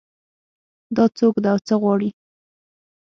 دا څوک ده او څه غواړي